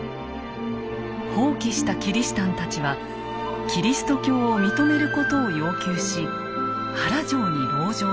蜂起したキリシタンたちはキリスト教を認めることを要求し原城に籠城します。